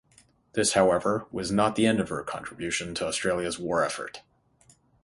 This, however, was not the end of her contribution to Australia's war effort.